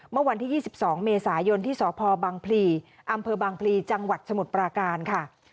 เมื่อวันที่๒๒เมษายนที่สพบังพลีอำเภอบางพลีจังหวัดสมุทรปราการค่ะ